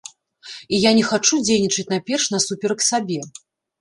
І я не хачу дзейнічаць найперш насуперак сабе.